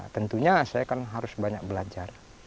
tentunya saya kan harus banyak belajar